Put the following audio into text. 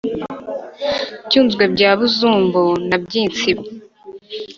byunzwe bya byuzumbu na byinsibo